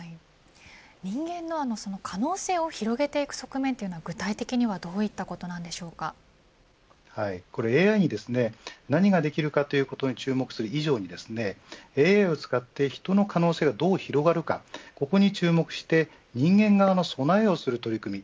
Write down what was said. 人間の可能性を広げていく側面というのは具体的にはＡＩに何ができるかということに注目する以上にＡＩを使って人の可能性がどう広がるかそこに注目して人間側の備えをする取り組み。